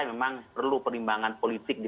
memang perlu perimbangan politik di